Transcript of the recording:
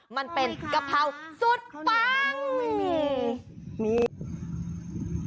มันเป็นกะเพราสุดปัง